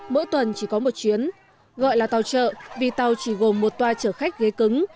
mỗi tuần chỉ có một chuyến gọi là tàu chợ vì tàu chỉ gồm một toa trở khách ghế cứng